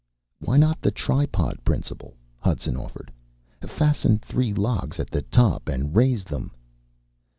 "Why not the tripod principle?" Hudson offered. "Fasten three logs at the top and raise them."